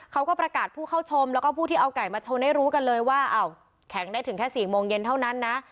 เขาก็ประกาศผู้เข้าชมแล้วก็ผู้ที่เอาไก่มาชนให้รู้กันเลยว่าอ้าวแข่งได้ถึงแค่๔โมงเย็นเท่านั้นนะ